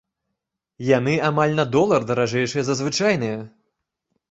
Яны амаль на долар даражэйшыя за звычайныя.